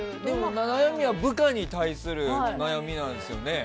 でも、悩みは部下に対する悩みなんですよね？